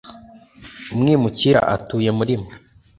umwimukira utuye muri mwe